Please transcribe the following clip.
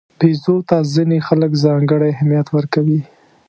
بیزو ته ځینې خلک ځانګړی اهمیت ورکوي.